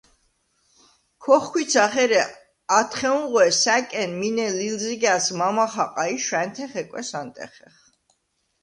ქოხვიქცახ, ერე ათხეუნღვე სა̈კენ მინე ლილზიგა̈ლს მამა ხაყა ი შვა̈ნთე ხეკვეს ანტეხეხ.